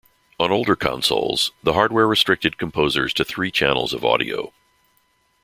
On older consoles, the hardware restricted composers to three channels of audio.